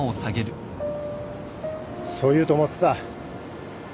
そう言うと思ってた。